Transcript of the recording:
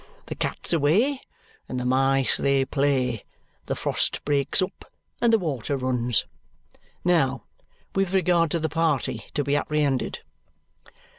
The cat's away, and the mice they play; the frost breaks up, and the water runs. Now, with regard to the party to be apprehended."